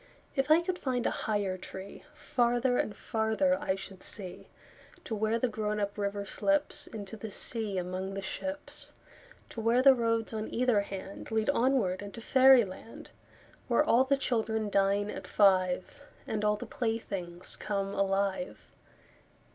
If I could find a higher treeFarther and farther I should see, To where the grown up river slipsInto the sea among the ships. To where the roads on either handLead onward into fairy land, Where all the children dine at five, And all the playthings come alive.